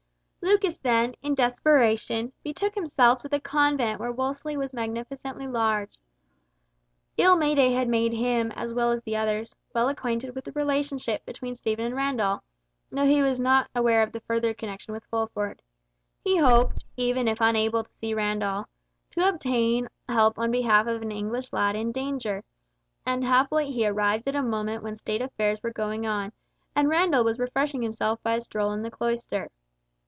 Lucas then, in desperation, betook himself to the convent where Wolsey was magnificently lodged. Ill May Day had made him, as well as others, well acquainted with the relationship between Stephen and Randall, though he was not aware of the further connection with Fulford. He hoped, even if unable to see Randall, to obtain help on behalf of an English lad in danger, and happily he arrived at a moment when State affairs were going on, and Randall was refreshing himself by a stroll in the cloister.